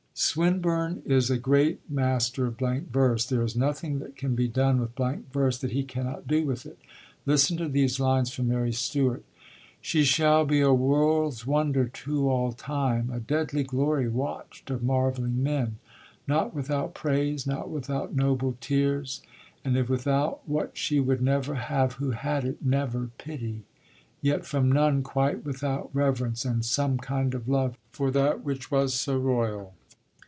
Swinburne is a great master of blank verse; there is nothing that can be done with blank verse that he cannot do with it. Listen to these lines from Mary Stuart: She shall be a world's wonder to all time, A deadly glory watched of marvelling men Not without praise, not without noble tears, And if without what she would never have Who had it never, pity yet from none Quite without reverence and some kind of love For that which was so royal.